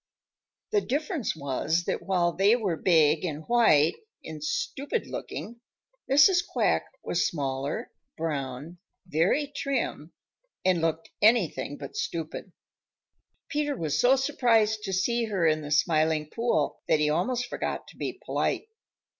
The difference was that while they were big and white and stupid looking, Mrs. Quack was smaller, brown, very trim, and looked anything but stupid. Peter was so surprised to see her in the Smiling Pool that he almost forgot to be polite.